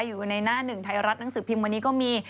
อยู่ในหน้าหนึ่งไทยรัฐหนังสือพิมพ์วันนี้ก็มี